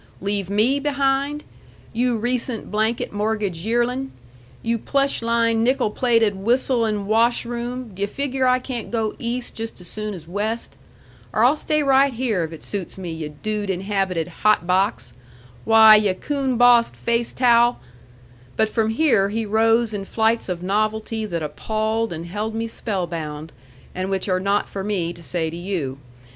Leave ME behind? you recent blanket mortgage yearlin'! You plush lined, nickel plated, whistlin' wash room, d' yu' figure I can't go east just as soon as west? Or I'll stay right here if it suits me, yu' dude inhabited hot box! Why, yu' coon bossed face towel " But from here he rose in flights of novelty that appalled and held me spellbound, and which are not for me to say to you.